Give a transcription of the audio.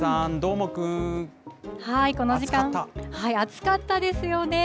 この時間、暑かったですよね。